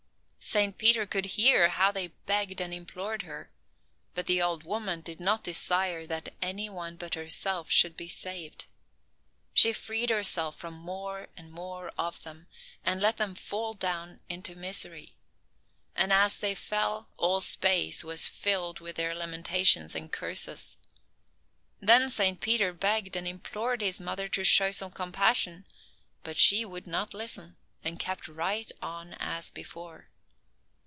Saint Peter could hear how they begged and implored her; but the old woman did not desire that any one but herself should be saved. She freed herself from more and more of them, and let them fall down into misery. And as they fell, all space was filled with their lamentations and curses. Then Saint Peter begged and implored his mother to show some compassion, but she would not listen, and kept right on as before.